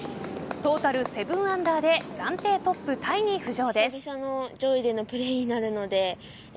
トータル７アンダーで暫定トップタイに浮上です。